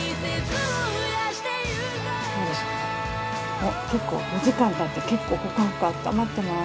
おっ結構４時間たって結構ホカホカあったまってます。